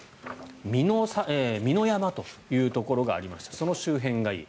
美の山というところがありましてその周辺がいい。